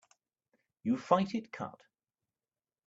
You fight it cut.